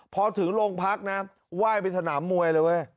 พอถึงโรงพักไหว้ไปถนามมวยเลย